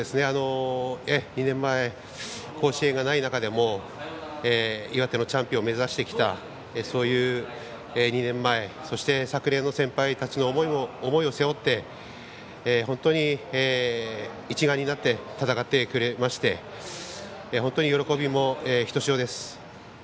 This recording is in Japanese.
２年前甲子園がない中でも岩手のチャンピオンを目指してきたそういう２年前そして昨年の先輩たちの思いを背負って本当に一丸となって戦ってくれまして本当に喜びもひとしおです。